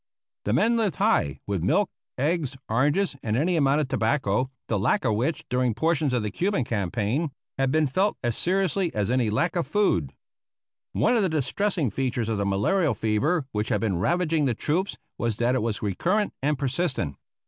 The men lived high, with milk, eggs, oranges, and any amount of tobacco, the lack of which during portions of the Cuban campaign had been felt as seriously as any lack of food. One of the distressing features of the malarial fever which had been ravaging the troops was that it was recurrent and persistent.